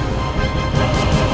terima kasih banyak dok